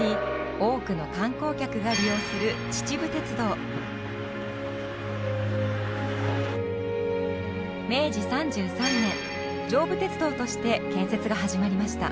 多くの観光客が利用する明治３３年上武鉄道として建設が始まりました。